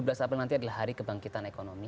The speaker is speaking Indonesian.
dua belas april nanti adalah hari kebangkitan ekonomi